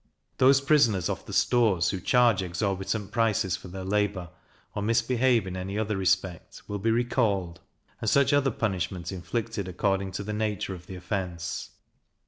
Those prisoners off the stores who charge exorbitant prices for their labour, or misbehave in any other respect, will be recalled, and such other punishment inflicted according to the nature of the offence.